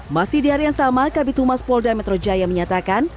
masih di hari yang sama kabit humas polda metro jaya menyatakan